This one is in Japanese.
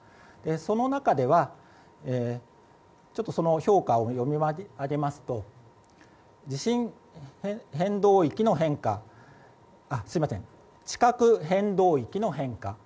その中ではその評価を読み上げますと地殻変動域の変化